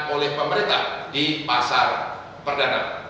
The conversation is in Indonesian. oleh pemerintah di pasar perdana